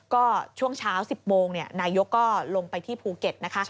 ก็ช่วงเช้า๑๐โมงนายกก็ลงไปที่ภูเก็ตนะคะ